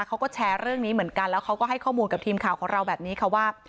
เขาก็แชร์เรื่องนี้เหมือนกันแล้วเขาก็ให้ข้อมูลกับทีมข่าวของเราแบบนี้ค่ะว่า